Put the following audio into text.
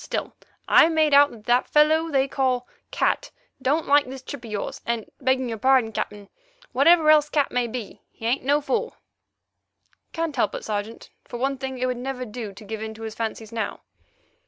Still, I made out that the fellow they call Cat don't like this trip of yours, and, begging your pardon, Captain, whatever else Cat may be, he ain't no fool." "Can't help it, Sergeant. For one thing, it would never do to give in to his fancies now."